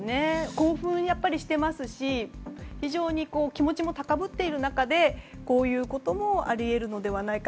興奮はやっぱりしていますし非常に気持ちも高ぶっている中でこういうこともあり得るのではないか。